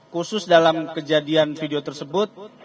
khusus dalam kejadian video tersebut